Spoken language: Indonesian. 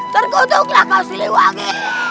tergutuklah kau siliwangi